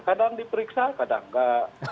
kadang diperiksa kadang nggak